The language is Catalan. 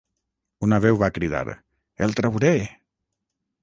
Una veu va cridar: "El trauré!".